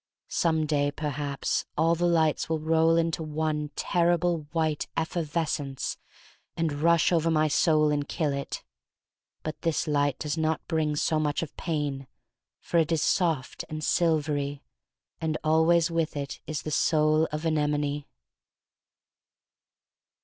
Some day, perhaps, all the lights will roll into one terrible white effervescence and rush over my soul and kill it. But this light does not bring so much of pain, for it is soft and silvery, and always with it is the Soul of Anemone.